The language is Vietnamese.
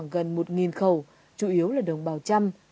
gần một khẩu chủ yếu là đồng bào trăm